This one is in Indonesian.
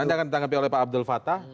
anda akan ditanggapi oleh pak abdul fattah